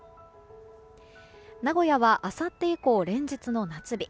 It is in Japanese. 名古屋はあさって以降連日の夏日。